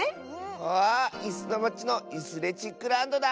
わあいすのまちのイスレチックランドだ！